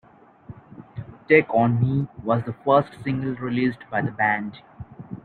"Take On Me" was the first single released by the band.